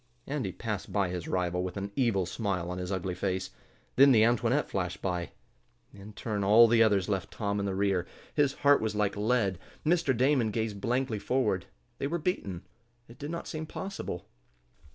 Andy passed by his rival with an evil smile on his ugly face. Then the Antoinette flashed by. In turn all the others left Tom in the rear. His heart was like lead. Mr. Damon gazed blankly forward. They were beaten. It did not seem possible.